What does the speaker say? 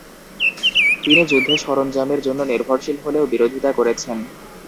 তিনি যুদ্ধ সরঞ্জামের জন্য নির্ভরশীল হলেও বিরোধিতা করেছেন।